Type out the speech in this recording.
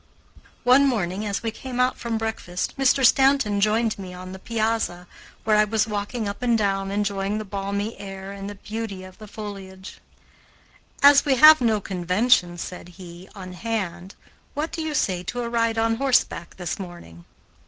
One morning, as we came out from breakfast, Mr. Stanton joined me on the piazza, where I was walking up and down enjoying the balmy air and the beauty of the foliage. "As we have no conventions," said he, "on hand, what do you say to a ride on horseback this morning?"